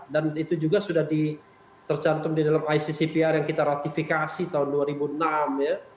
dan itu juga sudah tercantum di dalam iccpr yang kita ratifikasi tahun dua ribu enam ya